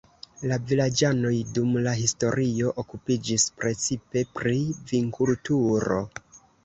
La vilaĝanoj dum la historio okupiĝis precipe pri vinkulturo.